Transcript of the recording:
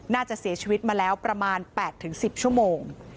น่าจะเสียชีวิตมาแล้วประมาณ๘๑๐ชั่วโมง